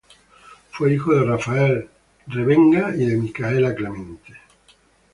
Fue hijo de Rafael Revenga y de Micaela Clemente.